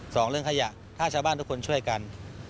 สองเรื่องขยะถ้าชาวบ้านทุกคนช่วยกัน